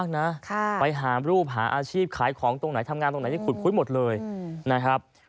นั่นแหละ